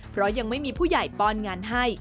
เพราะยังไม่มีผู้ใหญ่ป้อนงานให้